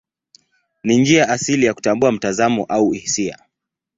Ni njia asili ya kutambua mtazamo au hisia.